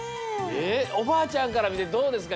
えっおばあちゃんからみてどうですか？